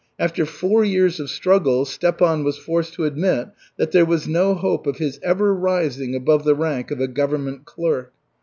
After four years of struggle Stepan was forced to admit that there was no hope of his ever rising above the rank of a government clerk.